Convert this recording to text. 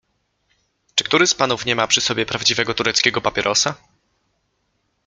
Czy który z panów nie ma przy sobie prawdziwego tureckiego papierosa?